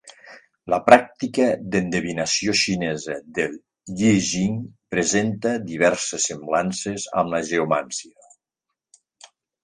La pràctica d'endevinació xinesa del Yijing presenta diverses semblances amb la geomància.